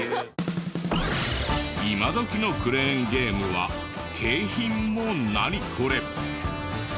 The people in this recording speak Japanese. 今どきのクレーンゲームは景品もナニコレ！